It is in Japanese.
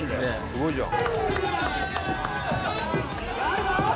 「すごいじゃん」